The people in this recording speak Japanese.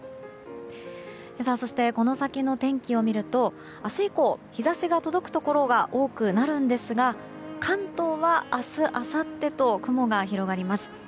そして、この先の天気を見ると明日以降、日差しが届くところが多くなるんですが関東は明日、あさってと雲が広がります。